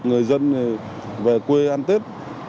người dân về quê ăn tết